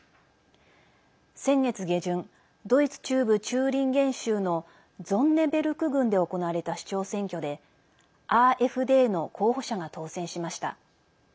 先月下旬ドイツ中部チューリンゲン州のゾンネベルク郡で行われた首長選挙でＡｆＤの候補者が当選しました。